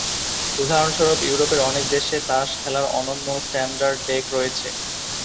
উদাহরণস্বরূপ, ইউরোপের অনেক দেশে তাস খেলার অনন্য স্ট্যান্ডার্ড ডেক রয়েছে।